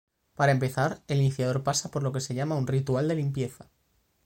Para empezar, el iniciador pasa por lo que se llama un ritual de limpieza.